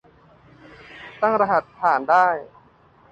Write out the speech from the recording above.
ตั้งรหัสผ่านได้